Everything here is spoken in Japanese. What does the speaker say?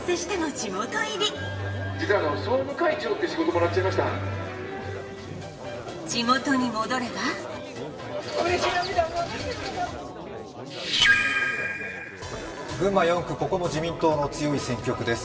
地元に戻れば群馬４区、ここも自民党の強い選挙区です。